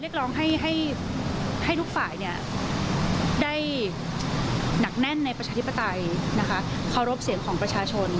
ร้องให้ทุกฝ่ายได้หนักแน่นในประชาธิปไตยนะคะเคารพเสียงของประชาชน